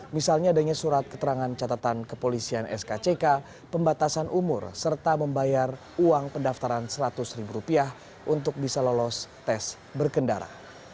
misalnya adanya surat keterangan catatan kepolisian skck pembatasan umur serta membayar uang pendaftaran seratus ribu rupiah untuk bisa lolos tes berkendara